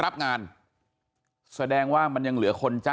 ครอบครัวญาติพี่น้องเขาก็โกรธแค้นมาทำแผนนะฮะ